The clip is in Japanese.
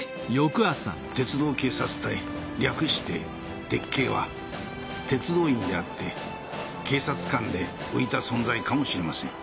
鉄道警察隊略して「鉄警」は鉄道員であって警察官で浮いた存在かもしれません。